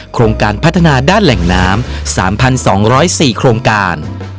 โครงการพัฒนาด้านแหล่งน้ำ๓๒๐๔โครงการ